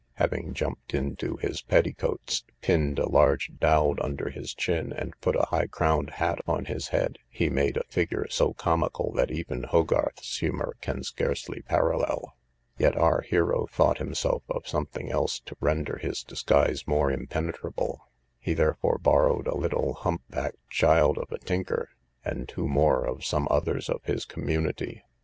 Having jumped into his petticoats, pinned a large dowde under his chin, and put a high crowned hat on his head, he made a figure so comical that even Hogarth's humour can scarcely parallel; yet our hero thought himself of something else to render his disguise more impenetrable: he therefore borrowed a little hump backed child of a tinker, and two more of some others of his community.